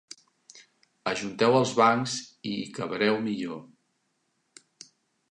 Ajunteu els bancs i hi cabreu millor.